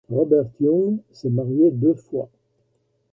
Robert Young s'est marié deux fois.